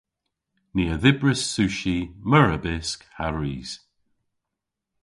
Ni a dhybris sushi, meur a bysk ha ris.